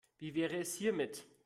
Wie wäre es hiermit?